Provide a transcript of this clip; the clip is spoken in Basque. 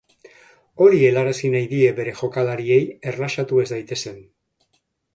Hori helarazi nahi die bere jokalarie erlaxatu ez daitezen.